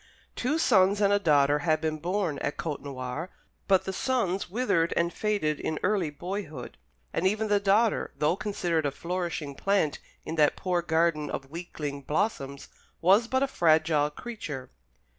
Two sons and a daughter had been born at Côtenoir; but the sons withered and faded in early boyhood, and even the daughter, though considered a flourishing plant in that poor garden of weakling blossoms, was but a fragile creature.